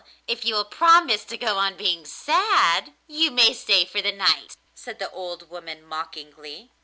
if you will promise to go on being sad, you may stay for the night,' said the old woman mockingly.